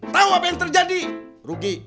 tahu apa yang terjadi rugi